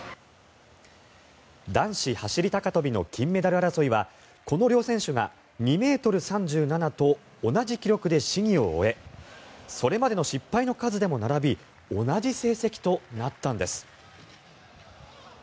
男子走高跳の金メダル争いはこの両選手が２ｍ３７と同じ記録で試技を終えそれまでの失敗の数でも並び同じ成績となったのです。